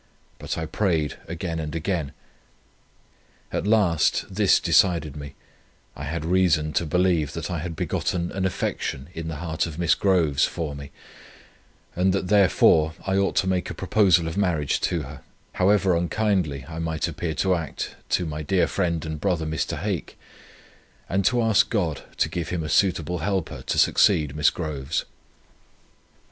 But I prayed again and again. At last this decided me, I had reason to believe that I had begotten an affection in the heart of Miss Groves for me, and that therefore I ought to make a proposal of marriage to her, however unkindly I might appear to act to my dear friend and brother Mr. Hake, and to ask God to give him a suitable helper to succeed Miss Groves.